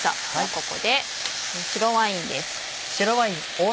ここで白ワインです。